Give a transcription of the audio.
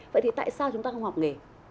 vậy thì tại sao chúng ta không học nghề